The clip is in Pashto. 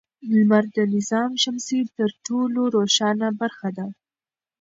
لمر د نظام شمسي تر ټولو روښانه برخه ده.